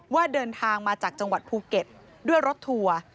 ว่าเดินทางมาจากจังหวัดภูเก็ตด้วยรถทัวร์